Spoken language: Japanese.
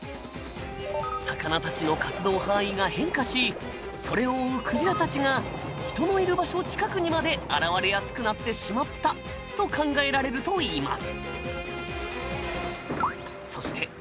魚たちの活動範囲が変化しそれを追うクジラたちが人のいる場所近くにまで現れやすくなってしまったと考えられるといいます。